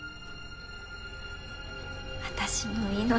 私の命。